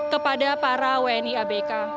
kepada para wni abk